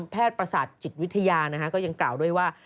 ประสาทจิตวิทยาก็ยังกล่าวด้วยว่า